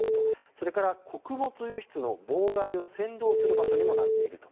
それから、穀物輸出の妨害を扇動する場所にもなっていると。